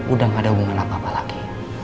udah gak ada hubungan apa apa lagi